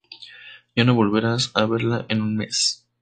Ya no volverá a verla en un mes.